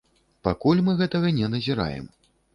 Пакуль мы гэтага не назіраем.